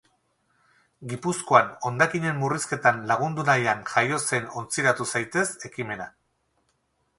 Gipuzkoan hondakinen murrizketan lagundu nahian jaio zen Ontziratu zaitez ekimena.